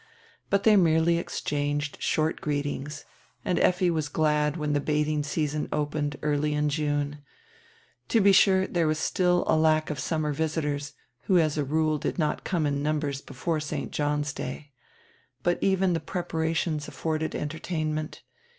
But they merely exchanged short greet ings, and Effi was glad when die bathing season opened early in June. To be sure, there was still a lack of summer visitors, who as a rule did not come in numbers before St. John's Day. But even die preparations afforded enter tainment.